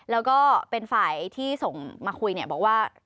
แล้วก็เป็นฝ่ายที่ส่งมาคุยบอกว่า